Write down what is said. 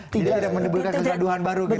tidak ada yang mendebutkan sesuatu yang baru